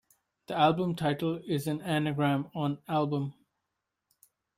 The album title is an anagram on "album".